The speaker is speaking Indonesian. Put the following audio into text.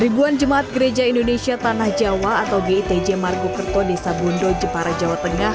ribuan jemaat gereja indonesia tanah jawa atau gitj margokerto desa bondo jepara jawa tengah